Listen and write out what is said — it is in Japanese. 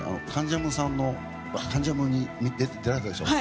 「関ジャム」に出られてたでしょ。